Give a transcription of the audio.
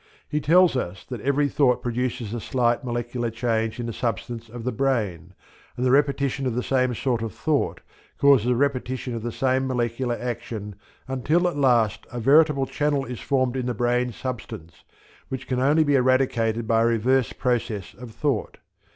He tells us that every thought produces a slight molecular change in the substance of the brain, and the repetition of the same sort of thought causes a repetition of the same molecular action until at last a veritable channel is formed in the brain substance, which can only be eradicated by a reverse process of thought.